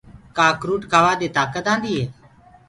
ڪآ اکروُٽ ڪآوآ دي تآڪت آندي هي۔